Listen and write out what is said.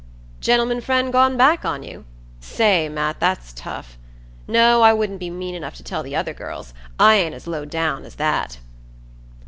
"Gentleman friend gone back on you? Say, Matt, that's tough! No, I wouldn't be mean enough to tell the other girls. I ain't as low down as that."